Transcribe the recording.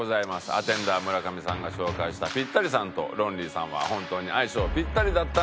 アテンダー村上さんが紹介したピッタリさんとロンリーさんは本当に相性ピッタリだったんでしょうか？